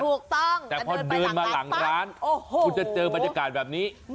ถูกต้องแต่พอเดินมาหลังร้านคุณจะเจอบรรยากาศแบบนี้